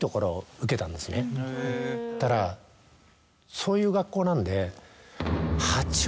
そういう学校なんで。